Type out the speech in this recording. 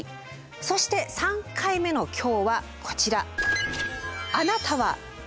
そして３回目の今日はこちら。